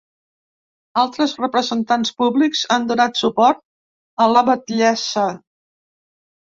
Altres representants públics han donat suport a la batllessa.